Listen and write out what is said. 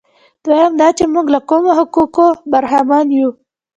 دویم دا چې موږ له کومو حقوقو برخمن یو.